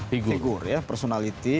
figur ya personality